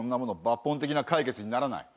抜本的な解決にならない。